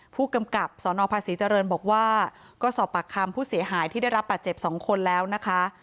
ผู้กำกับสนภาษีเจริญบอกว่าก็สอบปากคำผู้เสียหายที่ได้รับบาดเจ็บ๒คนแล้วนะคะ